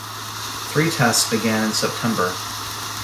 Three tests began in September.